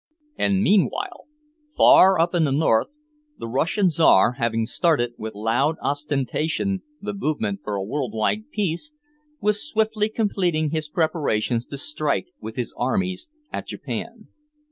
And meanwhile far up in the North, the Russian Czar, having started with loud ostentation the movement for a world wide peace, was swiftly completing his preparations to strike with his armies at Japan.